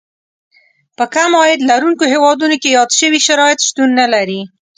په کم عاید لرونکو هېوادونو کې یاد شوي شرایط شتون نه لري.